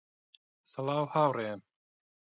سڵاو هاوڕێیان